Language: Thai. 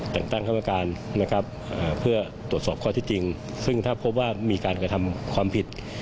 แต่งตั้งกรรมการนะครับเพื่อตรวจสอบข้อที่จริงซึ่งถ้าพบว่ามีการกระทำความผิด